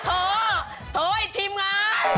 เถอะเถอะไอ้ทีมงาน